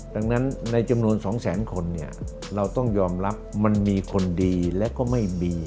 ดังนั้นในจำนวน๒แสนคนเนี่ยเราต้องยอมรับมันมีคนดีและก็ไม่มี